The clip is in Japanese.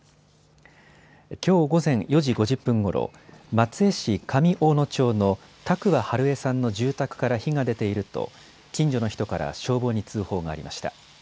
きょう午前４時５０分ごろ、松江市上大野町の多久和ハルエさんの住宅から火が出ていると近所の人から消防に通報がありました。